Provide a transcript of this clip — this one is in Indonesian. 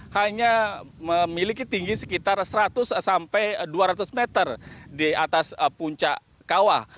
hanya memiliki tinggi sekitar seratus sampai dua ratus meter di atas puncak kawah